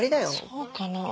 そうかなぁ。